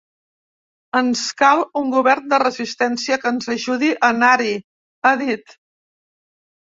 Ens cal un govern de resistència que ens ajudi a anar-hi, ha dit.